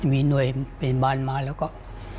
มีหน่วยเป็นพยาบาลมา